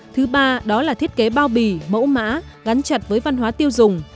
thứ ba đó là thiết kế bao bì mẫu mã gắn chặt với văn hóa tiêu dùng